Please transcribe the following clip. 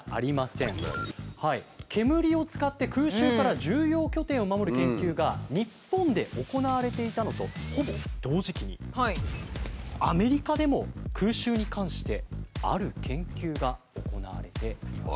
煙を使って空襲から重要拠点を守る研究が日本で行われていたのとほぼ同時期にアメリカでも空襲に関してある研究が行われていました。